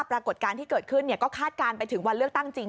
ปรากฏการณ์ที่เกิดขึ้นก็คาดการณ์ไปถึงวันเลือกตั้งจริง